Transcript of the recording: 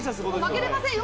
「負けられませんよ！